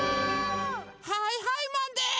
はいはいマンです！